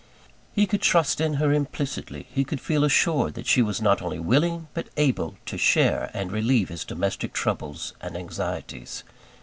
_ He could trust in her implicitly, he could feel assured that she was not only willing, but able, to share and relieve his domestic troubles and anxieties.